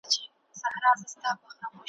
لا کړېږې به تر څو له ظلم زوره ,